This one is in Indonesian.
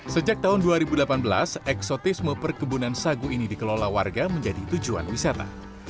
sejak tahun dua ribu delapan belas eksotisme perkebunan sagu ini dikelola warga menjadi tujuan wisata